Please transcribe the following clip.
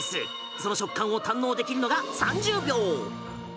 その食感を堪能できるのが３０秒！